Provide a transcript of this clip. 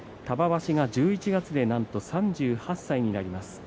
１１月でなんと３８歳になります。